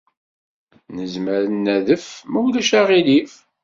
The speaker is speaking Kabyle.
Nezmer ad n-nadef, ma ulac aɣilif?